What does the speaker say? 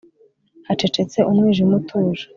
hacecetse umwijima utuje